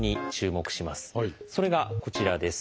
それがこちらです。